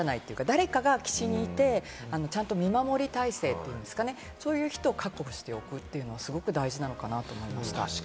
誰かが岸にいて、ちゃんと見守り体制っていうんですかね、そういう人を確保しておくというのがすごく大事かなと思いました。